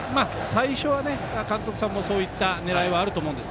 最初は、監督さんもそういった狙いもあると思うんです。